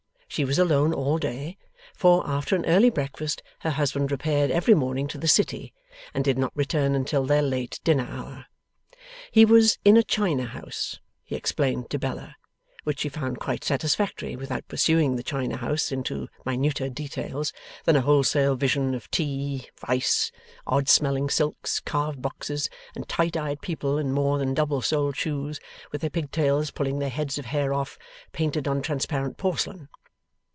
She was alone all day, for, after an early breakfast her husband repaired every morning to the City, and did not return until their late dinner hour. He was 'in a China house,' he explained to Bella: which she found quite satisfactory, without pursuing the China house into minuter details than a wholesale vision of tea, rice, odd smelling silks, carved boxes, and tight eyed people in more than double soled shoes, with their pigtails pulling their heads of hair off, painted on transparent porcelain.